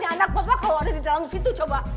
gimana rasanya anak bapak kalau ada di dalam situ coba